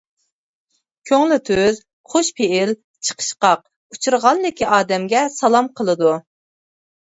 كۆڭلى تۈز، خۇش پېئىل، چىقىشقاق، ئۇچرىغانلىكى ئادەمگە سالام قىلىدۇ.